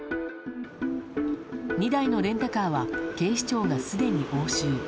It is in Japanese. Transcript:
２台のレンタカーは警視庁がすでに押収。